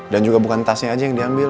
dan juga bukan tasnya aja yang diambil